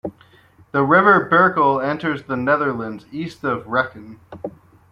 The river Berkel enters The Netherlands east of Rekken.